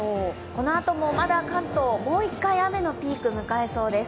このあともまだ関東、もう１回雨のピーク迎えそうです。